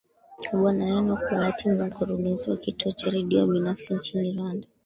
bwana enock bahati ni ni mkurugenzi wa kituo cha redio binafsi nchini rwanda